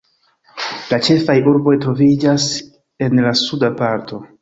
La ĉefaj urboj troviĝas en la suda parto.